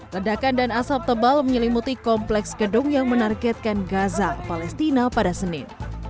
ledakan dan asap tebal menyelimuti kompleks gedung yang menargetkan gaza palestina pada senin